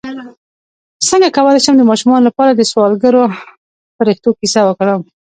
څنګه کولی شم د ماشومانو لپاره د سوالګرو فرښتو کیسه وکړم